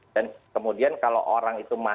dan kemudian kalau orang itu masih